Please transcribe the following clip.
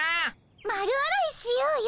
丸洗いしようよ。